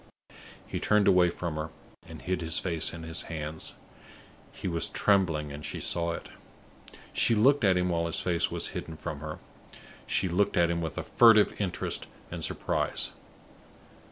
He turned away from her, and hid his face in his hands; he was trembling, and she saw it. She looked at him while his face was hidden from her; she looked at him with a furtive interest and surprise.